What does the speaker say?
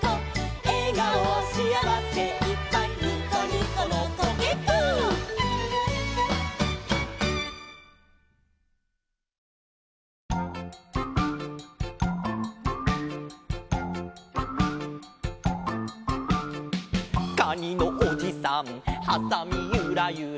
「えがおしあわせいっぱいにこにこのコケッコー」「カニのおじさんはさみゆらゆら」